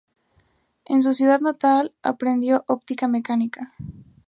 En su ciudad natal aprendió Óptica y Mecánica.